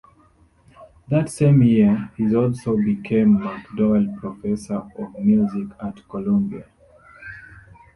That same year, he also became MacDowell Professor of Music at Columbia.